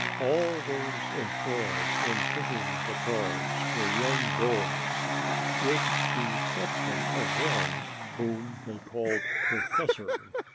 All those employed in pushing the cars were young boys, with the exception of one whom they called Professor.